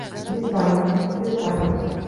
Без панікі, без панікі.